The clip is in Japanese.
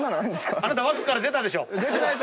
あなた枠から出たでしょ。